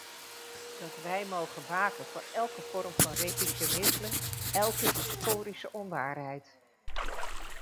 Dat wij mogen waken voor elke vorm van revisionisme, elke historische onwaarheid.